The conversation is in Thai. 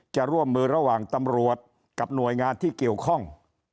จะร่วมมือระหว่างตำรวจกับหน่วยงานที่เกี่ยวข้อง